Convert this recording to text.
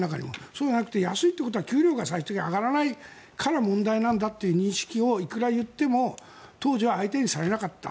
そうじゃなくて安いってことは給料が最終的に上がらないから問題なんだっていう認識をいくら言っても当時は相手にされなかった。